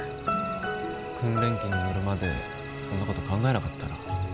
訓練機に乗るまでそんなこと考えなかったな。